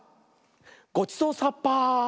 ごちそうさっぱ。